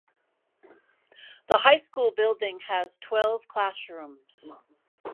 The high school building has twelve classrooms.